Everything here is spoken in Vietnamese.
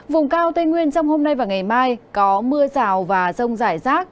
vùng cao tây nguyên trong hôm nay và ngày mai có mưa rào và rông rải rác